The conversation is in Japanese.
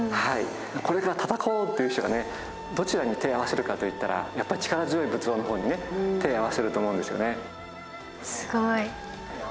これから戦おうという人がねどちらに手を合わせるかといったらやっぱり力強い仏像の方にね手を合わせると思うんですよね。